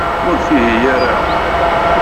Ur ttihiy ara.